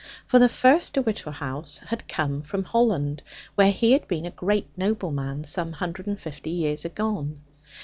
For the first De Whichehalse had come from Holland, where he had been a great nobleman, some hundred and fifty years agone.